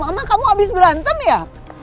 aku sama mama kamu habis berantem ya